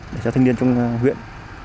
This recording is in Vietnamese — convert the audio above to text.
để cho thanh niên trong huyện